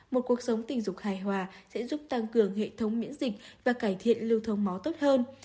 một cuộc sống tình dục hài hòa sẽ giúp tăng cường hệ thống miễn dịch và cải thiện lưu thông máu tốt hơn